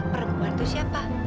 perempuan itu siapa